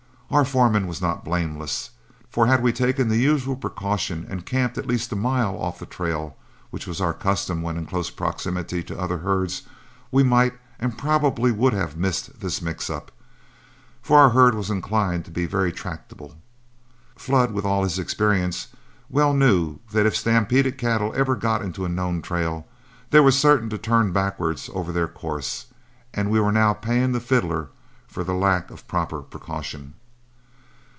Our foreman was not blameless, for had we taken the usual precaution and camped at least a mile off the trail, which was our custom when in close proximity to other herds, we might and probably would have missed this mix up, for our herd was inclined to be very tractable. Flood, with all his experience, well knew that if stampeded cattle ever got into a known trail, they were certain to turn backward over their course; and we were now paying the fiddler for lack of proper precaution.